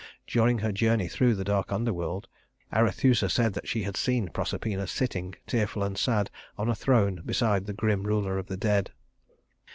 During her journey through the dark underworld, Arethusa said that she had seen Proserpina sitting, tearful and sad, on a throne beside the grim ruler of the dead.